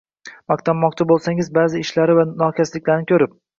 Maqtamoqchi bo’lsangiz – ba’zi ishlari va nokasliklarini ko’rib